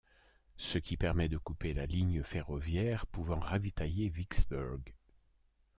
Ce qui permet de couper la ligne ferroviaire pouvant ravitailler Vicksburg.